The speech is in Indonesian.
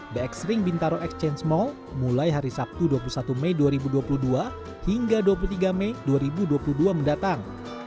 bx ring bintaro exchange mall mulai hari sabtu dua puluh satu mei dua ribu dua puluh dua hingga dua puluh tiga mei dua ribu dua puluh dua mendatang